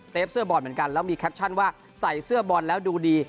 เสื้อบอลเหมือนกันแล้วมีแคปชั่นว่าใส่เสื้อบอลแล้วดูดี